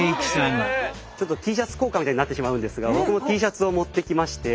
ちょっとＴシャツ交換みたいになってしまうんですが僕もＴシャツを持ってきまして。